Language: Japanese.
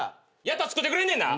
やったら作ってくれんねんな。